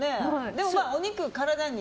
でも、お肉は体に。